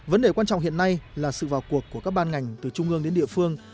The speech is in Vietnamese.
vấn đề quan trọng hiện nay là sự vào cuộc của các ban ngành từ trung ương đến địa phương